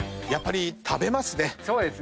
やっぱり食べますね。